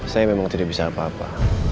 saya memang tidak bisa apa apa